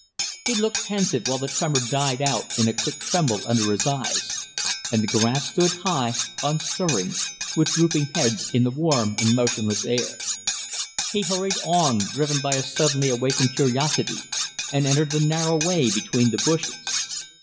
He looked pensive while the tremor died out in a quick tremble under his eyes; and the grass stood high, unstirring, with drooping heads in the warm and motionless air. He hurried on, driven by a suddenly awakened curiosity, and entered the narrow way between the bushes.